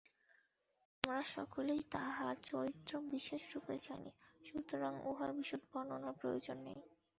আমরা সকলেই তাঁহার চরিত্র বিশেষরূপে জানি, সুতরাং উহার বিশদ বর্ণনার প্রয়োজন নাই।